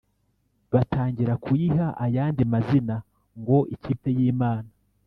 batangira kuyiha ayandi mazina ngo Ikipe y'Imana